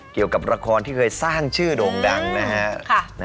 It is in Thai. เกี่ยวกับละครที่เคยสร้างชื่อโด่งดังนะฮะ